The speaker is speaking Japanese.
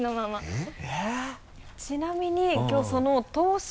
えっ？